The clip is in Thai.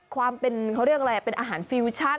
ความเป็นเขาเรียกอะไรเป็นอาหารฟิวชั่น